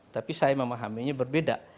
tapi saya memahaminya berbeda